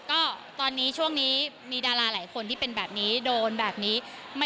ก็ตอนนี้ช่วงนี้มีดาราหลายคนที่เป็นแบบนี้โดนแบบนี้